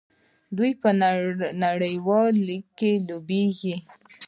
دوی په نړیوال لیګ کې لوبېږي.